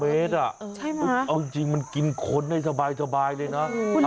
เมตรเอาจริงมันกินคนได้สบายเลยนะ